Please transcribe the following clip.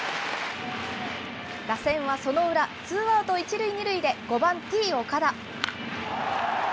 打線はその裏、ツーアウト１塁２塁で５番Ｔー岡田。